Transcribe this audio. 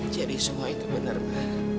jadi semua itu benar mam